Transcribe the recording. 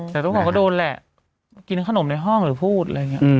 แต่ทุกคนก็โดนแหละกินขนมในห้องหรือพูดอะไรอย่างนี้